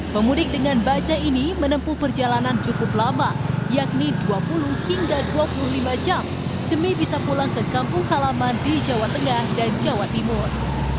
pemudik dengan baja ini menempuh perjalanan cukup lama yakni dua puluh hingga dua puluh lima jam demi bisa pulang ke kampung halaman di jawa tengah dan jawa timur